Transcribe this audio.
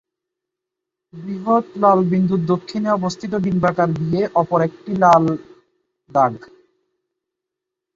বৃহৎ লাল বিন্দুর দক্ষিণে অবস্থিত ডিম্বাকার বিএ অপর একটি লাল দাগ।